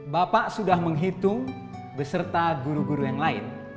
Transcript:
bapak sudah menghitung beserta guru guru yang lain